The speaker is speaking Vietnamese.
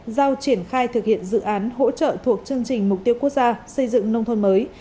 giao triển khai thực hiện dự án hỗ trợ thuộc chương trình mục tiêu quốc gia xây dựng nông thôn mới